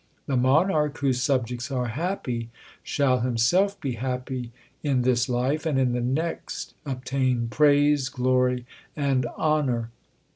The monarch whose subjects are happy shall himself be happy in this life, and in the next obtain praise, glory, and honour.